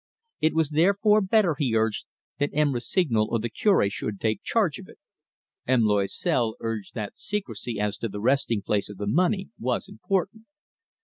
It was therefore better, he urged, that M. Rossignol or the Cure should take charge of it. M. Loisel urged that secrecy as to the resting place of the money was important.